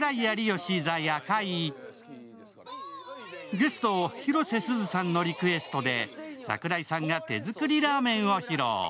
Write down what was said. ゲスト・広瀬すずさんの手づくりで櫻井さんが手づくりラーメンを披露。